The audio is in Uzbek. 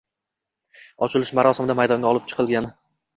Ochilish marosimida maydonga olib chiqilgan.